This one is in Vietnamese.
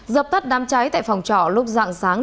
dập tắt đám cháy tại phòng trọ lúc dạng sáng